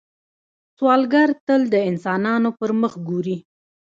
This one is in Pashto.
سوالګر تل د انسانانو پر مخ ګوري